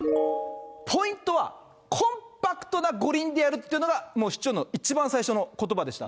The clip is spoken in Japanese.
ポイントはコンパクトな五輪であるというのが、市長の一番最初のことばでした。